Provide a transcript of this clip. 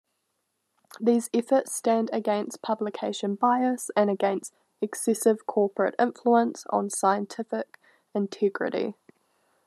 These efforts stand against publication bias and against excessive corporate influence on scientific integrity.